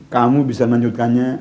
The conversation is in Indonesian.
kamu bisa menjutkannya